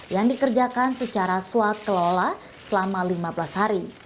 yang dikerjakan secara swab kelola selama lima belas hari